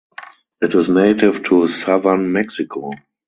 It is native to southern Mexico.